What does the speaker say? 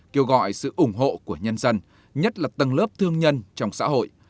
kêu gọi sự ủng hộ của nhân dân nhất là tầng lớp thương nhân trong xã hội